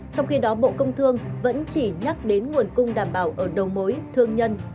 trong khi đó bộ công thương vẫn chỉ nhắc đến nguồn cung đảm bảo ở đầu mối thương nhân